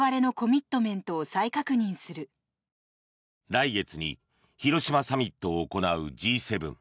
来月に広島サミットを行うＧ７。